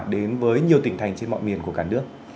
đến với nhiều tỉnh thành trên mọi miền của cả nước